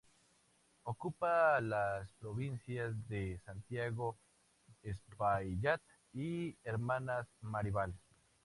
Ocupa las provincias de Santiago, Espaillat y Hermanas Mirabal.